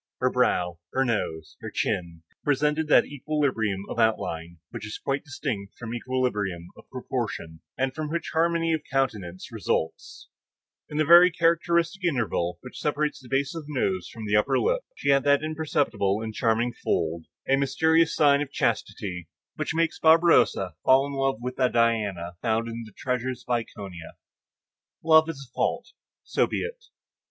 Her brow, her nose, her chin, presented that equilibrium of outline which is quite distinct from equilibrium of proportion, and from which harmony of countenance results; in the very characteristic interval which separates the base of the nose from the upper lip, she had that imperceptible and charming fold, a mysterious sign of chastity, which makes Barberousse fall in love with a Diana found in the treasures of Iconia. Love is a fault; so be it.